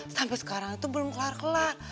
sampai sekarang itu belum kelar kelar